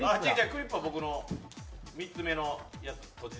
クリップは僕の３つ目のやつ、とじてた。